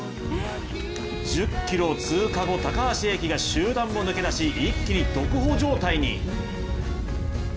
１０ｋｍ通過後、高橋英輝が集団を抜け出し一気に独歩状態に。